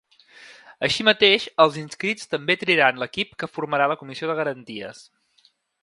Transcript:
Així mateix, els inscrits també triaran l’equip que formarà la comissió de garanties.